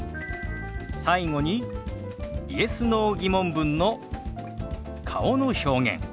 最後にＹｅｓ／Ｎｏ−疑問文の顔の表現。